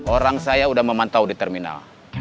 orang saya sudah memantau di terminal